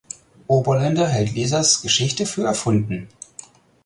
Oberländer hält Lisas Geschichte für erfunden.